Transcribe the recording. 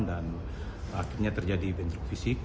dan akhirnya terjadi bentruk fisik